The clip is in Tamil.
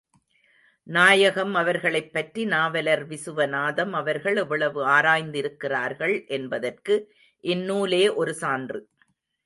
நாயகம் அவர்களைப் பற்றி நாவலர் விசுவநாதம் அவர்கள் எவ்வளவு ஆராய்ந்திருக்கிறார்கள் என்பதற்கு இந்நூலே ஒரு சான்று.